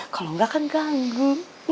kalau nggak kan ganggu